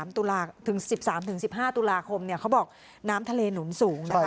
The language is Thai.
ถึง๑๓๑๕ตุลาคมเขาบอกน้ำทะเลหนุนสูงนะคะ